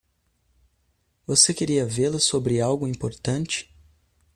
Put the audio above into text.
Você queria vê-la sobre algo importante?